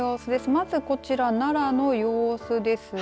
まずこちら奈良の様子ですが。